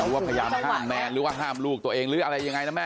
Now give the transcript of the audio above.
ว่าพยายามห้ามแมนหรือว่าห้ามลูกตัวเองหรืออะไรยังไงนะแม่